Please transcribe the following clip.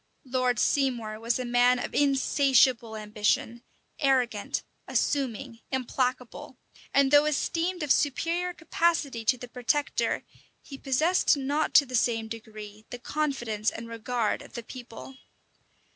Lord Seymour was a man of insatiable ambition; arrogant, assuming, implacable; and though esteemed of superior capacity to the protector, he possessed not to the same degree the confidence and regard of the people.